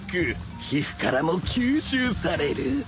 皮膚からも吸収される